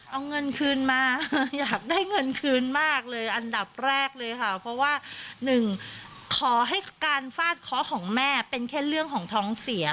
เอาเงินคืนมาอยากได้เงินคืนมากเลยอันดับแรกเลยค่ะเพราะว่าหนึ่งขอให้การฟาดเคาะของแม่เป็นแค่เรื่องของท้องเสีย